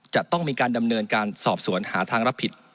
จะต้องมีการดำเนินการสอบสวนหาทางรับผิด